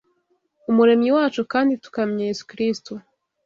Umuremyi wacu, kandi tukamenya Yesu Kristo